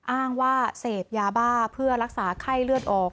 อ้างว่าเสพยาบ้าเพื่อรักษาไข้เลือดออก